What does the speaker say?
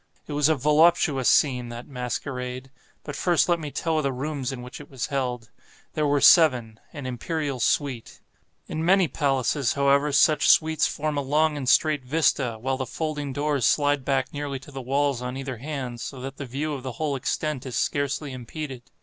It was a voluptuous scene, that masquerade. But first let me tell of the rooms in which it was held. There were seven—an imperial suite. In many palaces, however, such suites form a long and straight vista, while the folding doors slide back nearly to the walls on either hand, so that the view of the whole extent is scarcely impeded.